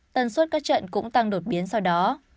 tần suất các trận cũng tăng đột biến sau đó